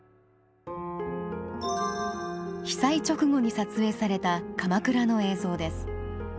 被災直後に撮影された鎌倉の映像です。